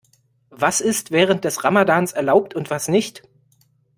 Was ist während des Ramadans erlaubt und was nicht?